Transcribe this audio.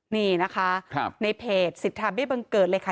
นี่นะครับในเพจสิทธิ์ธรรมย์บิตต์เบ้งเกิดเลยค่ะ